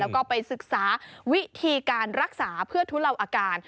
แล้วก็ไปศึกษาวิธีการรักษาเพื่อทุเลาอาการ